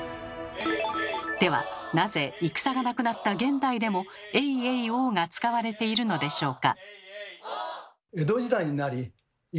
ではなぜ戦がなくなった現代でも「エイエイオー」が使われているのでしょうか？